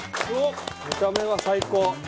見た目は最高。